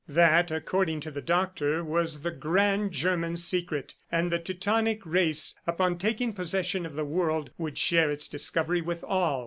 That, according to the Doctor, was the grand German secret, and the Teutonic race upon taking possession of the world, would share its discovery with all.